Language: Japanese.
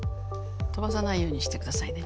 飛ばさないようにしてくださいね。